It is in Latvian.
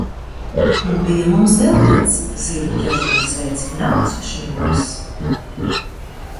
Bija mums vēl viens zivju ķeršanas veids – nakts šņores.